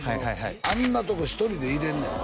あんなとこ１人でいれんねんで？